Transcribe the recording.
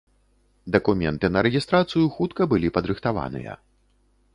Дакументы на рэгістрацыю хутка былі падрыхтаваныя.